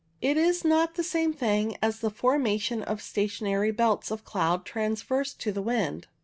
It is not the same thing as the formation of stationary belts of cloud transverse to the wind.